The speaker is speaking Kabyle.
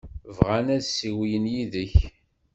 Bɣan ad ssiwlen yid-k.